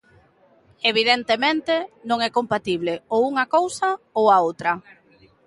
Evidentemente, non é compatible, ou unha cousa, ou a outra.